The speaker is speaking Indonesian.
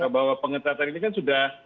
bahwa pengetatan ini kan sudah